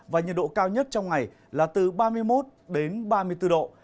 và nhiệt độ cao nhất trong ngày là từ ba mươi một đến ba mươi bốn độ